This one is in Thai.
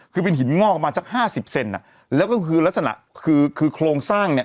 คือเป็นหินงอกประมาณสักห้าสิบเซนอ่ะแล้วก็คือลักษณะคือคือโครงสร้างเนี่ย